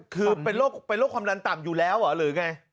คือเป็นโรคความดันต่ำอยู่แล้วเหรอหรือไง